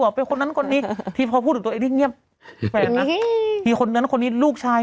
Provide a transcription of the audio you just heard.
ถ้าคนอื่นเขารู้จักนะ